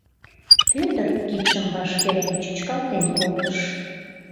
— Пӧтыр, кидшым ваш перен, чӱчкалтен колтыш.